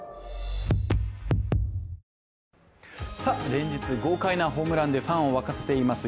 連日、豪快なホームランでファンを沸かせています